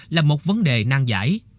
là một vấn đề nang giải